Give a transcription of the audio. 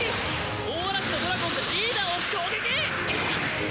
大嵐のドラゴンでリーダーを攻撃！